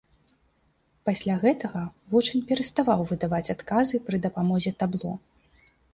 Пасля гэтага вучань пераставаў выдаваць адказы пры дапамозе табло.